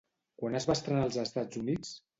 Quan es va estrenar als Estats Units?